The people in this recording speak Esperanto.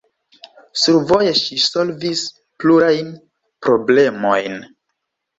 Survoje ŝi solvis plurajn problemojn.